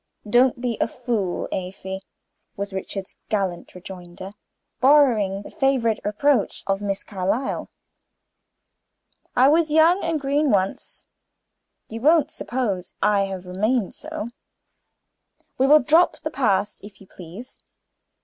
"Don't be a fool, Afy!" was Richard's gallant rejoinder, borrowing the favorite reproach of Miss Carlyle. "I was young and green once; you don't suppose I have remained so. We will drop the past, if you please.